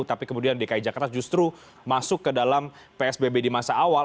tapi kemudian dki jakarta justru masuk ke dalam psbb di masa awal